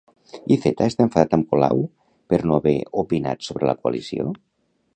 Iceta està enfadat amb Colau per no haver opinat sobre la coalició?